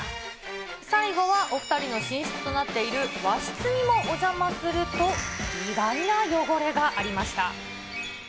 最後はお２人の寝室となっている和室にもお邪魔すると、意外な汚れがありました。